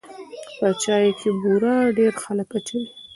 په چای کې بوره ډېر خلک اچوي.